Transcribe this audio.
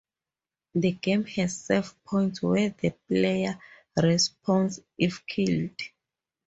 The game has save points where the player respawns if killed.